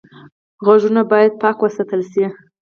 غوږونه باید پاک وساتل شي